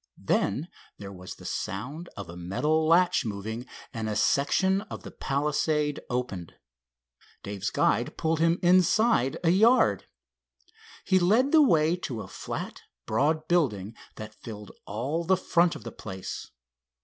Then there was the sound of a metal latch moving, and a section of the palisade opened. Dave's guide pulled him inside a yard. He led the way to a flat, broad building that filled all the front of the place.